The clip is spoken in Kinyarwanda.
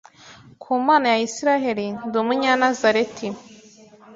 ku Mana ya Isiraheli ndi Umunyanazareti